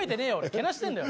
けなしてんだよ。